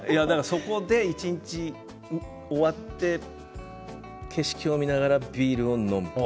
一日終わって景色を見ながらビールを飲むのと。